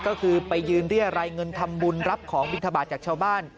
ก็คือไปยืนเรียรัยเงินทำบุญรับของบินทบาทจากชาวบ้าน